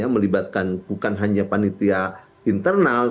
melibatkan bukan hanya panitia internal